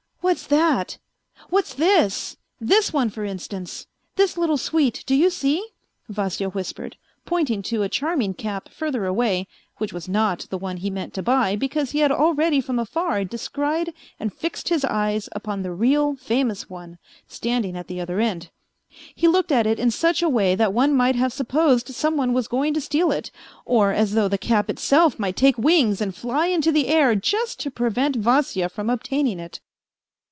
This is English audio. What's that ? What's this ? Tliis one, for instance, this little sweet, do you see ?" Vasya whispered, pointing to a charming cap further away, which was not the one he meant to buy, because he had already from afar descried and fixed his eyes upon the real, famous one, stand ing at the other end. He looked at it in such a way that one might have supposed some one was going to steal it, or as though the cap itself might take wings and fly into the air just to prevent Vasya from obtaining it.